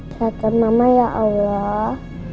sehatkan mama ya allah